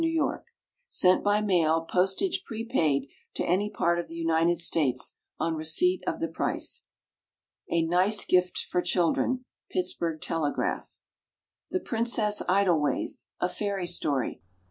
Y. Sent by mail, postage prepaid, to any part of the United States, on receipt of the price. "A nice Gift for Children." PITTSBURGH TELEGRAPH. THE PRINCESS IDLEWAYS, A FAIRY STORY.